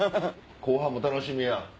後半も楽しみや。